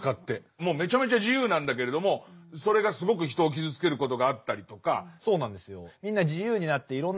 もうめちゃめちゃ自由なんだけれどもそれがすごく人を傷つけることがあったりとか。